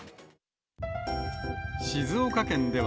静岡県では、